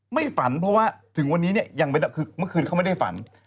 ไม่ฝันเพราะว่าถึงวันนี้เนี่ยยังไม่ได้ฝัน